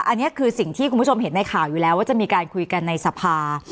อันนี้คือสิ่งที่คุณผู้ชมเห็นในข่าวอยู่แล้วว่าจะมีการคุยกันในสภา